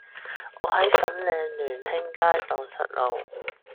我喺粉嶺聯興街盪失路